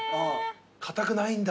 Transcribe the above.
硬くないんだ。